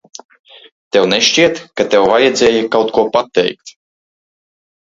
Tev nešķiet, ka tev vajadzēja kaut ko pateikt?